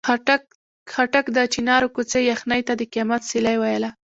خاټک د چنار کوڅې یخنۍ ته د قیامت سیلۍ ویله.